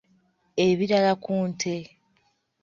Ebirala ku nte.